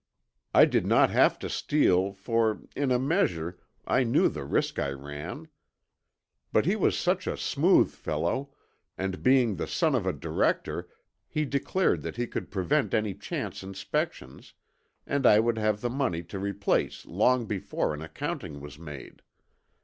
I did not have to steal, for, in a measure, I knew the risk I ran. But he was such a smooth fellow, and being the son of a director he declared that he could prevent any chance inspections, and I would have the money to replace long before an accounting was made.